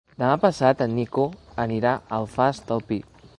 Demà passat en Nico anirà a l'Alfàs del Pi.